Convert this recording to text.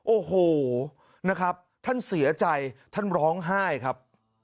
โอ้โหนะครับท่านเสียใจท่านร้องไห้ครับ